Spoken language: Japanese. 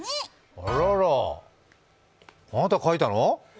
あらら、あなた書いたの？